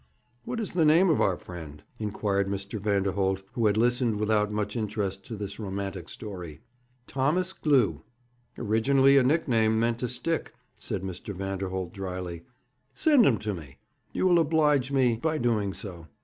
'What is the name of our friend?' inquired Mr. Vanderholt, who had listened without much interest to this romantic story. 'Thomas Glew.' 'Originally a nickname, meant to stick,' said Mr. Vanderholt dryly. 'Send him to me. You will oblige me by doing so.'